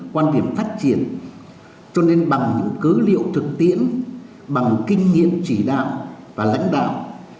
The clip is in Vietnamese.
quan điểm phát triển cho nên bằng những cứ liệu thực tiễn bằng kinh nghiệm chỉ đạo và lãnh đạo